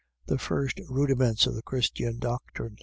. .The first rudiments of the Christian doctrine.